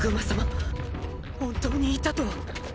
本当にいたとは。